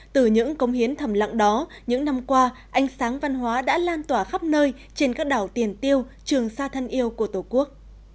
từ những công hiến thầm lặng đó những năm qua ánh sáng văn hóa đã lan tỏa khắp nơi trên các đảo tiền tiêu trường xa thân yêu của tổ quốc